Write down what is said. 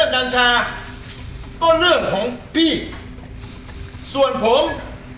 เอากูเถอะกันดีกว่า